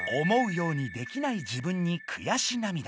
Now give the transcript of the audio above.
思うようにできない自分にくやし涙。